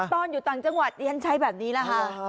ตอนอยู่ต่างจังหวัดดิฉันใช้แบบนี้แหละค่ะ